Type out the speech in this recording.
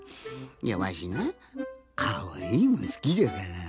いやわしなかわいいもんすきじゃから。